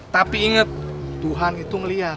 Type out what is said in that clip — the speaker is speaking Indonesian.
tapi inget tuhan itu ngelihat